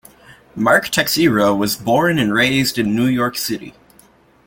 Mark Texeira was born and raised in New York City.